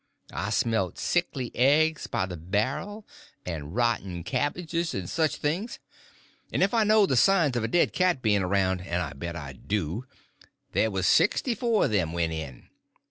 I smelt sickly eggs by the barrel, and rotten cabbages, and such things; and if I know the signs of a dead cat being around, and I bet I do, there was sixty four of them went in.